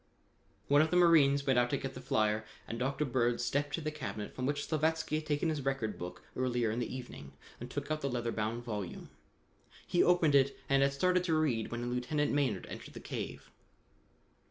One of the marines went out to get the flyer, and Dr. Bird stepped to the cabinet from which Slavatsky had taken his record book earlier in the evening and took out the leather bound volume. He opened it and had started to read when Lieutenant Maynard entered the cave.